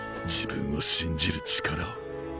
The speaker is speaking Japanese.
自分を信じる力を！